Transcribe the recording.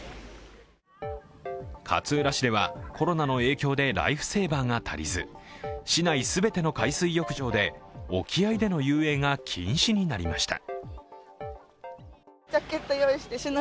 勝浦市では、コロナの影響でライフセーバーが足りず市内全ての海水浴場で沖合での遊泳が禁止になりました。